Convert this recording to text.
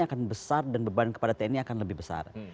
akan besar dan beban kepada tni akan lebih besar